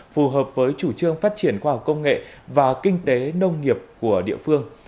phù hợp với chủ trương phát triển khoa học công nghệ và kinh tế nông nghiệp của địa phương